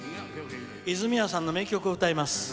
泉谷さんの名曲を歌います。